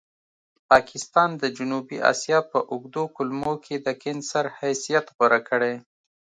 پاکستان د جنوبي اسیا په اوږدو کولمو کې د کېنسر حیثیت غوره کړی.